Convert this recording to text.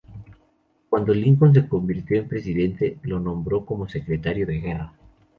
Cuando Lincoln se convirtió en presidente, lo nombró como Secretario de Guerra.